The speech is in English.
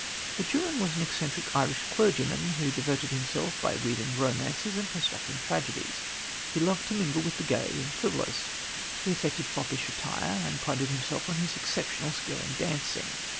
Maturin was an eccentric Irish clergyman, who diverted himself by weaving romances and constructing tragedies. He loved to mingle with the gay and frivolous; he affected foppish attire, and prided himself on his exceptional skill in dancing.